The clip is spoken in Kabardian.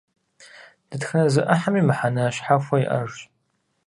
Дэтхэнэ зы Ӏыхьэми мыхьэнэ щхьэхуэ иӀэжщ.